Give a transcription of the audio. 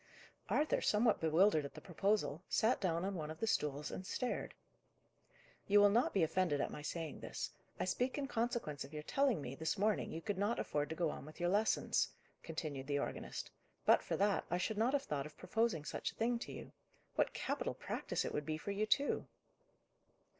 Arthur, somewhat bewildered at the proposal, sat down on one of the stools, and stared. "You will not be offended at my saying this. I speak in consequence of your telling me, this morning, you could not afford to go on with your lessons," continued the organist. "But for that, I should not have thought of proposing such a thing to you. What capital practice it would be for you, too!"